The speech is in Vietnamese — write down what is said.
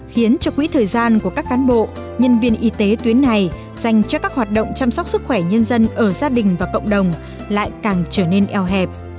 khiến cho quỹ thời gian của các cán bộ nhân viên y tế tuyến này dành cho các hoạt động chăm sóc sức khỏe nhân dân ở gia đình và cộng đồng lại càng trở nên eo hẹp